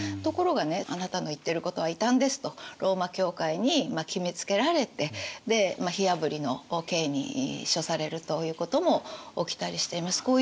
ところがねあなたの言ってることは異端ですとローマ教会に決めつけられてで火あぶりの刑に処されるということも起きたりしています。